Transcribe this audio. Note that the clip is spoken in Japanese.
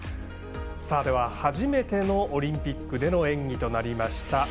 では初めてのオリンピックの演技となりました